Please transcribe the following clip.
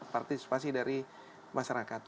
partisipasi dari masyarakat